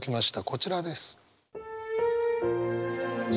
こちらです。